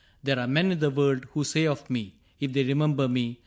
There are men in the world Who say of me, if they remember me.